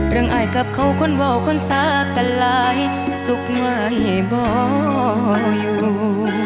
อายกับเขาคนเบาคนสากันหลายสุขไว้บ่อยู่